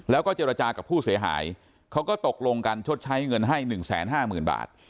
แล้วก็เจรจากับผู้เสียหายเขาก็ตกลงกันชดใช้เงินให้๑๕๐๐๐บาท